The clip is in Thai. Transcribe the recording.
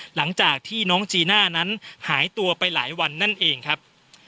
หลังจากที่น้องจีน่านั้นหายตัวไปหลายวันนั่นเองครับ